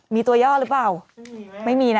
มีตัวย่อหรือเปล่าไม่มีนะ